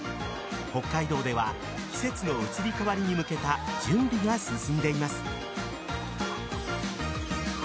北海道では季節の移り変わりに向けた準備が進んでいます。